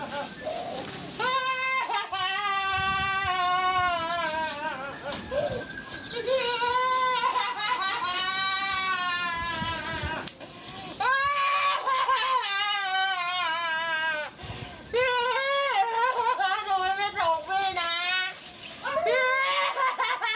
หนูจะเลี้ยวกับลูกหนูจะเลี้ยวลูกแล้วพี่น้ำ